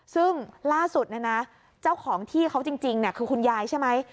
ซึ่งล่าสุดเนี่ยนะเจ้าของที่เขาจริงคือคุณยายใช่ไหม